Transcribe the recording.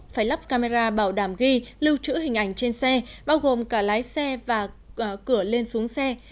phải lắp camera bảo đảm ghi lưu trữ hình ảnh trên xe bao gồm cả lái xe và cửa lên xuống xe